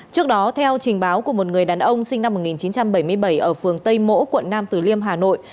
trước đó theo trình báo của một người đàn ông sinh năm một nghìn chín trăm bảy mươi bảy ở phường tây mỗ quận nam tử liêm hà nội